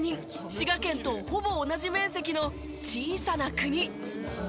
滋賀県とほぼ同じ面積の小さな国。